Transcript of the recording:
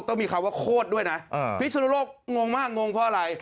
ต้องมีคำว่าโคตรด้วยนะพิศนุโลกงงมากงงเพราะอะไร